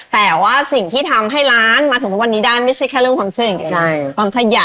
แต่ว่าสิ่งที่ทำให้ร้านมาถึงทุกวันนี้ได้ไม่ใช่แค่เรื่องความเชื่ออย่างเดียว